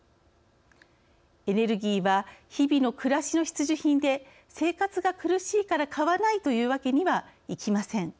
エネルギーは日々の暮らしの必需品で生活が苦しいから買わないというわけにはいきません。